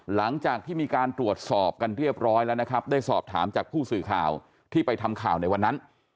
หลังจากที่มีการตรวจสอบกันเรียบร้อยแล้วนะครับได้สอบถามจากผู้สื่อข่าวที่ไปทำข่าวในวันนั้น